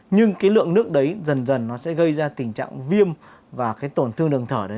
nhưng cái lượng nước đấy dần dần nó sẽ gây ra tình trạng viêm và cái tổn thương đường thở đấy